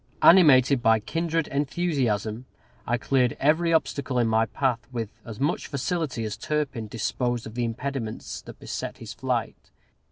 Animated by kindred enthusiasm, I cleared every obstacle in my path with as much facility as Turpin disposed of the impediments that beset his flight.